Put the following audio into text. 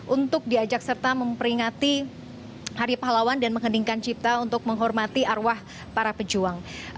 untuk diajak serta memperingati hari pahlawan dan menghendingkan cipta untuk menghormati arwah para pejuang